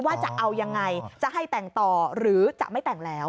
ว่าจะเอายังไงจะให้แต่งต่อหรือจะไม่แต่งแล้ว